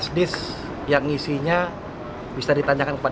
untuk mencari keadilan kita harus mengambil keterangan yang terbaik